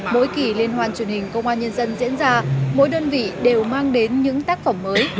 mỗi kỳ liên hoàn truyền hình công an nhân dân diễn ra mỗi đơn vị đều mang đến những tác phẩm mới